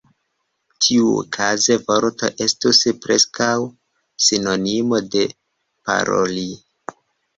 Tiukaze "vorto" estus preskaŭ sinonimo de "paroli".